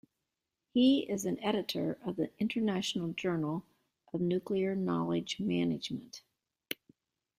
He is an editor of the International Journal of Nuclear Knowledge Management.